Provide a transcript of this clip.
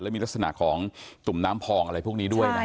มีลักษณะของตุ่มน้ำพองอะไรพวกนี้ด้วยนะ